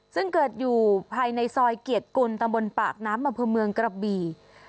ซึ่งเกิดอยู่ภายในซอยเกียรติกุลตำบลปากน้ำอำเภอเมืองกระบี่